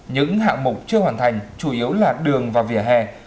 những hạng mục chưa hoàn thành chủ yếu là đường và vỉa hè